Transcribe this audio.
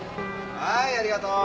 はいありがとう！